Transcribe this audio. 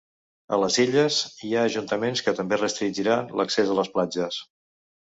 A les Illes hi ha ajuntaments que també restringiran l’accés a les platges.